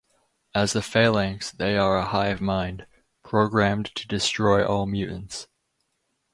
As the Phalanx they are a hive mind, programmed to destroy all mutants.